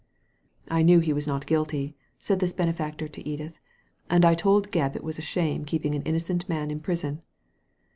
" I knew he was not guilty," said this benefactor to Edith, " and I told Gebb it was a shame keeping an innocent man in prison."